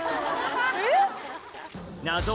えっ？